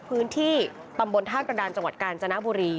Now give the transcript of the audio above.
พื้นที่ตำบลท่ากระดานจังหวัดกาญจนบุรี